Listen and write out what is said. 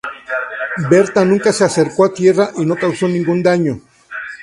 Bertha nunca se acercó a tierra y no causó ningún daño.